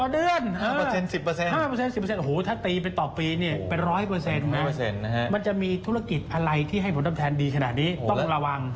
เดือนนะถ้าตีต่อปีเป็นร้อยเปอร์เซนต์เหรอครับมันจะมีธุรกิจอะไรที่ให้ผลตอบแทนดีขนาดนี้ต้องระวัง